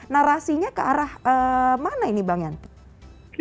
narasinya ke arah mana ini bang yan